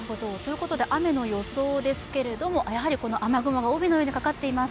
雨の予想ですけれども、やはり雨雲が帯のようにかかっています。